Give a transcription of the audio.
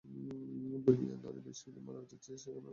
দুর্ঘটনায় নারী বেশি মারা যাচ্ছে—সে রকম কোনো সংবাদও তো দেখি না।